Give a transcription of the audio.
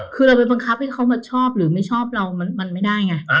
คือเราไปบังคับให้เขามาชอบหรือไม่ชอบเรามันไม่ได้ไง